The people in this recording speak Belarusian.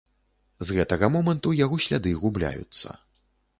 З гэтага моманту яго сляды губляюцца.